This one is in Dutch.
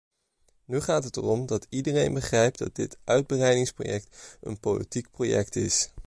Nu gaat het erom dat iedereen begrijpt dat dit uitbreidingsproject een politiek project is.